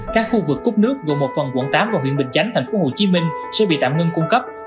các khu vực cúp nước gồm một phần quận tám và huyện bình chánh thành phố hồ chí minh sẽ bị tạm ngưng cung cấp